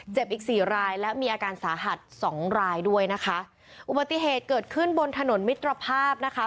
อีกสี่รายและมีอาการสาหัสสองรายด้วยนะคะอุบัติเหตุเกิดขึ้นบนถนนมิตรภาพนะคะ